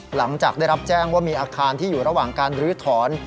หลังจากได้รับแจ้งว่ามีอาคารที่อยู่ระหว่างการรื้อถอน